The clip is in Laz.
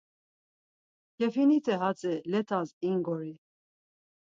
Kefinite hatzi let̆as ingori.